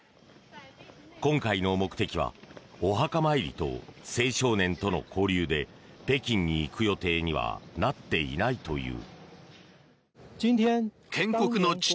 今回の目的はお墓参りと青少年との交流で北京に行く予定にはなっていないという。